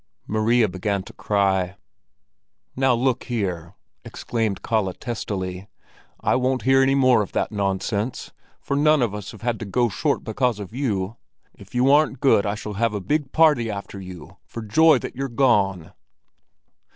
Maria began to cry. "Now look here!" exclaimed Kalle testily. "I won't hear any more of that nonsense, for none of us have had to go short because of you. If you aren't good, I shall give a big party after you, for joy that you're gone!"